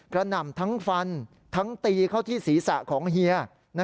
หนำทั้งฟันทั้งตีเข้าที่ศีรษะของเฮีย